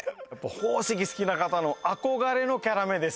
宝石好きな方の憧れのキャラ目です